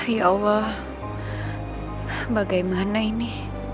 ya allah bagaimana ini